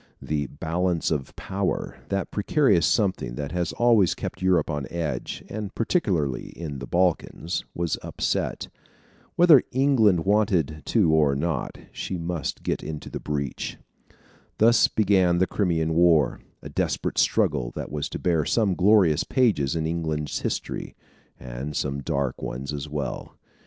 The "balance of power," that precarious something that has always kept Europe on edge and particularly in the Balkans was upset. Whether England wanted to or not, she must get into the breach. Thus began the Crimean War, a desperate struggle that was to bear some glorious pages in England's history, and some dark ones as well.